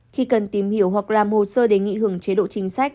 khi cần tìm hiểu hoặc làm hồ sơ đề nghị hưởng chế độ chính sách